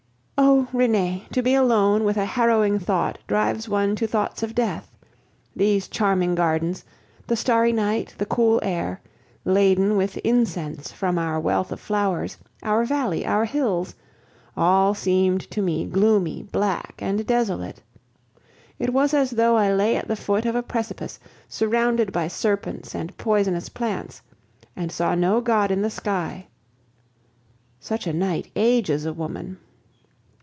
Oh! Renee, to be alone with a harrowing thought drives one to thoughts of death. These charming gardens, the starry night, the cool air, laden with incense from our wealth of flowers, our valley, our hills all seemed to me gloomy, black, and desolate. It was as though I lay at the foot of a precipice, surrounded by serpents and poisonous plants, and saw no God in the sky. Such a night ages a woman.